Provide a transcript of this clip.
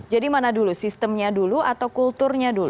jadi mana dulu sistemnya dulu atau kulturnya dulu